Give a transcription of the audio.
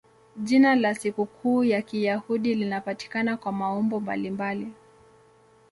Jina la sikukuu ya Kiyahudi linapatikana kwa maumbo mbalimbali.